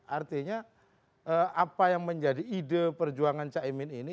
artinya apa yang menjadi ide perjuangan cak imin ini